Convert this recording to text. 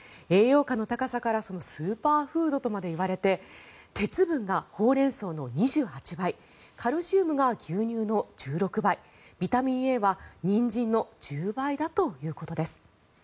栄養価の高さからスーパーフードと言われて鉄分がホウレンソウの２８倍カルシウムが牛乳の１６倍ビタミンＡはニンジンの１０倍だということです。